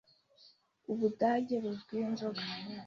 Ubudage buzwiho inzoga.